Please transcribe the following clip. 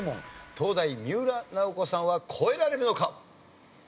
東大三浦奈保子さんは越えられるのか？